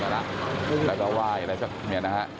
ละละแล้วก็ไหว่อะไรสักอย่างนี้นะฮะ